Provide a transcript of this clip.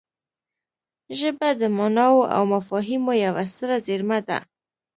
ژبه د ماناوو او مفاهیمو یوه ستره زېرمه ده